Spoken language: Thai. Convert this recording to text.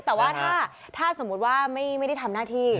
แต่ว่าถ้าสมมุติว่าไม่ได้ทำหน้าที่